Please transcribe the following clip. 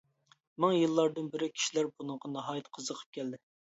مىڭ يىللاردىن بېرى كىشىلەر بۇنىڭغا ناھايىتى قىزىقىپ كەلدى.